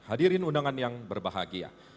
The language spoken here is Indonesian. hadirin undangan yang berbahagia